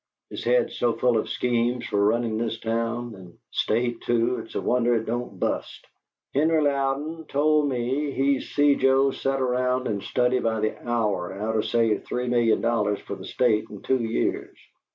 "His head's so full of schemes fer running this town, and state, too, it's a wonder it don't bust. Henry Louden told me he's see Joe set around and study by the hour how to save three million dollars for the state in two years."